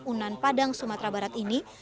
dan universitas unan padang sumatera barat ini